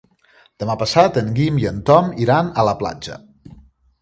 Demà passat en Guim i en Tom iran a la platja.